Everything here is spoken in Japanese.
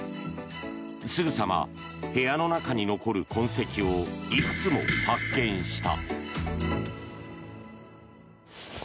すぐさま部屋の中に残る痕跡をいくつも発見した。